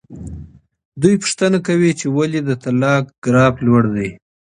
دوی پوښتنه کوي چې ولې د طلاق ګراف لوړ دی.